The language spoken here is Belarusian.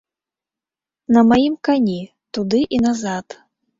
На маім кані, туды і назад.